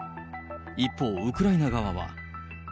一方、ウクライナ側は。